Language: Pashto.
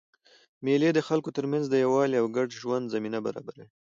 مېلې د خلکو ترمنځ د یووالي او ګډ ژوند زمینه برابروي.